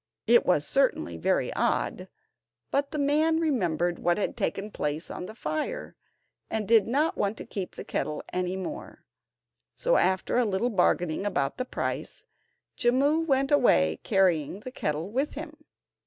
It was certainly very odd, but the man remembered what had taken place on the fire, and did not want to keep the kettle any more, so after a little bargaining about the price, Jimmu went away carrying the kettle with him.